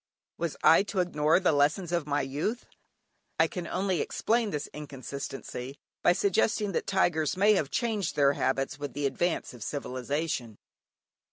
Was I to ignore the lessons of my youth? I can only explain this inconsistency by suggesting that tigers may have changed their habits with the advance of civilization.